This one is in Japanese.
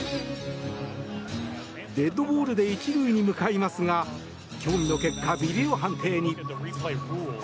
デッドボールで１塁に向かいますが協議の結果、ビデオ判定に。